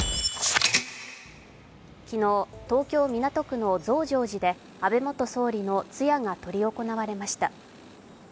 昨日、東京・港区の増上寺で安倍元総理の通夜が執り行われました。